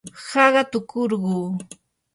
haqatukurquu.